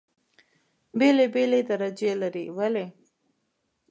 بېلې بېلې درجې لري. ولې؟